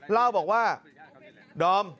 เล่าบอกว่าดอม